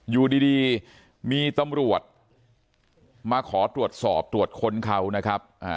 อยู่ดีมีตำรวจมาขอตรวจสอบตรวจค้นเขานะครับ